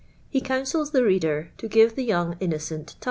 lie counsels his reader to give the young innocent 2d.